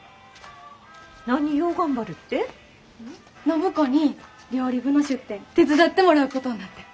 暢子に料理部の出店手伝ってもらうことになって。